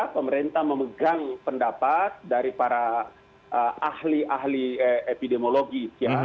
pemerintah memegang pendapat dari para ahli ahli epidemiologi